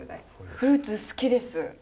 フルーツ好きです。